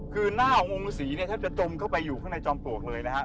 คือหน้าองค์ศรีเนี่ยแทบจะจมเข้าไปอยู่ข้างในจอมปลวกเลยนะครับ